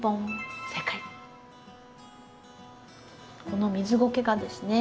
この水ごけがですね。